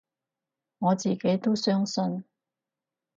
我自己都相信